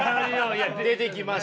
出てきました。